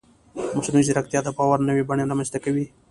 مصنوعي ځیرکتیا د باور نوې بڼې رامنځته کوي.